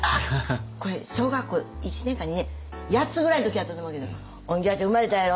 これ小学校１年か２年８つぐらいの時やったと思うけど「オンギャー！って生まれたやろ。